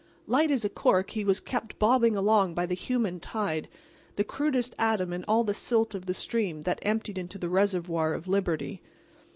Light as a cork, he was kept bobbing along by the human tide, the crudest atom in all the silt of the stream that emptied into the reservoir of Liberty.